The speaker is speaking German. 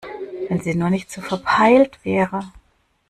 Wenn sie nur nicht so verpeilt wäre!